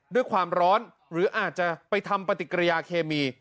ด้วยความร้อนหรืออาจจะไปทำปฏิกิริยาเคมี